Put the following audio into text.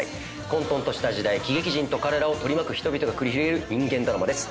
混沌とした時代喜劇人と彼らを取り巻く人々が繰り広げる人間ドラマです。